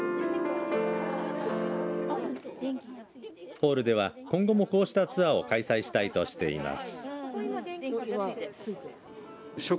ホールでは今後もこうしたツアーを開催したいとしています。